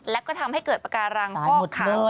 และก็ทำให้เกิดปากการังฟอกขาว